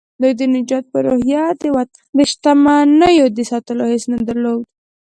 دوی د نجات په روحيه د وطن د شتمنيو د ساتلو حس نه درلود.